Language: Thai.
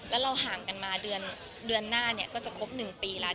แล้วเราห่างกันมาเดือนหน้าเนี่ยก็จะครบ๑ปีแล้ว